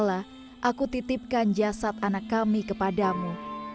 aku titipkan jasad anak kami kepadamu